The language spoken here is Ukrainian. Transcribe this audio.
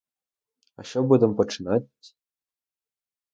А що будем починати?